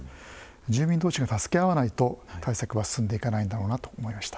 住民同士が助け合わないと対策は進んでいかないんだろうなと思いました。